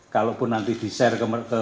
kalaupun nanti di share ke